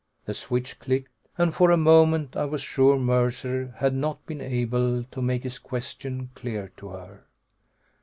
The switch clicked, and for a moment I was sure Mercer had not been able to make his question clear to her.